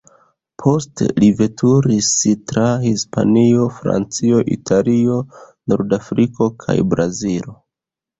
Poste li veturis tra Hispanio, Francio, Italio, Nordafriko kaj Brazilo.